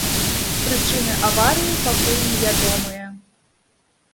Прычыны аварыі пакуль невядомыя.